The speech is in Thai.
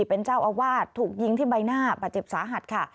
เป็นเจ้าอาวาสถูกยิงที่ใบหน้าบาดเจ็บสาหัสค่ะ